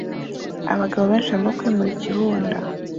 Abagabo benshi barimo kwimura ikibunda